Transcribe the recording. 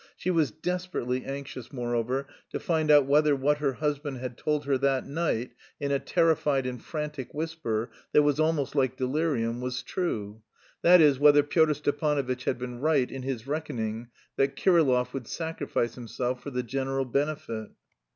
She was desperately anxious, moreover, to find out whether what her husband had told her that night in a terrified and frantic whisper, that was almost like delirium, was true that is, whether Pyotr Stepanovitch had been right in his reckoning that Kirillov would sacrifice himself for the general benefit.